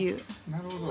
なるほど。